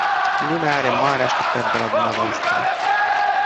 Lumea are mari așteptări de la dumneavoastră.